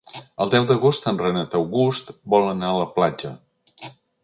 El deu d'agost en Renat August vol anar a la platja.